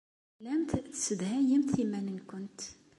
Tellamt tessedhayemt iman-nwent.